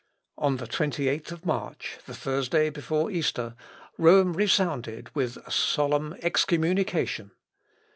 On the 28th March, the Thursday before Easter, Rome resounded with a solemn excommunication.